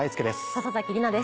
笹崎里菜です。